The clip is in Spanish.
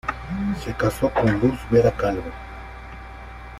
Se casó con 'Luz Vera Calvo".